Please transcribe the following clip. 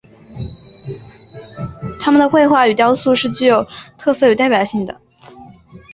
他们的绘画与雕塑是最具特色与代表性的。